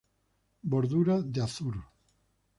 Bordura de azur.